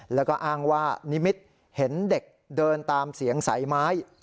แล้วก็อ้างว่านิมิตเห็นเด็กเดินตามเสียงสายไม้